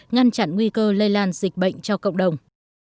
ngăn chặn nguy cơ lây lan dịch bệnh cho cộng đồng